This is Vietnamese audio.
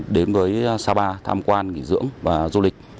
đến với sapa tham quan nghỉ dưỡng